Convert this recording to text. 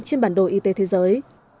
trên bản đồ y tế thế giới